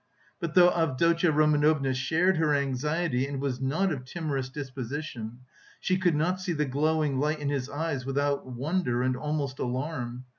But though Avdotya Romanovna shared her anxiety, and was not of timorous disposition, she could not see the glowing light in his eyes without wonder and almost alarm.